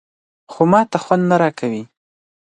_خو ماته خوند راکوي.